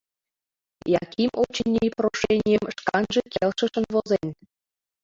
Яким, очыни, прошенийым шканже келшышын возен.